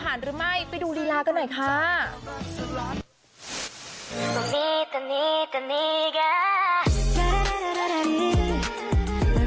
โอ้ยผีบงานก็คงห่วง